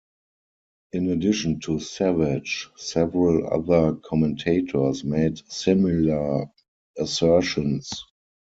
In addition to Savage, several other commentators made similar assertions.